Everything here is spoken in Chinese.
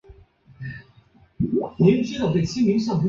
拉尔雷索尔。